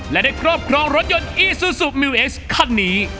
และได้ครอบครองรถยนต์อีซูซูมิวเอ็กซ์คันนี้